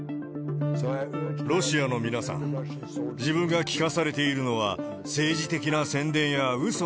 ロシアの皆さん、自分が聞かされているのは、政治的な宣伝やう